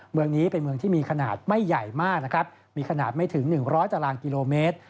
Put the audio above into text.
เมืองนี้เป็นเมืองที่มีขนาดไม่ใหญ่มากนะครับมีขนาดไม่ถึง๑๐๐ตารางกิโลเมตร